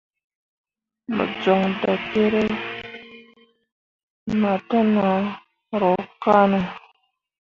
Mo jon dakerre na te nahro kane ?